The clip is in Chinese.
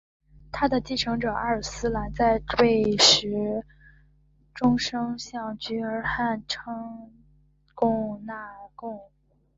他的继承者阿尔斯兰在位时终生向菊儿汗称臣纳贡。